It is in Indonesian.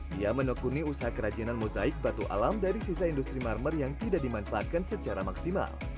dia menekuni usaha kerajinan mozaik batu alam dari sisa industri marmer yang tidak dimanfaatkan secara maksimal